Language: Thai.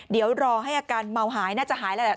เดี๋ยวรอให้อาการเมาหายน่าจะหายแล้วแหละ